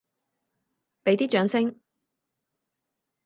畀啲掌聲！